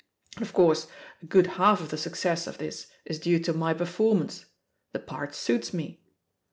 And, of course, a good half of tht success of this is due to my performance — ^tho part suits me.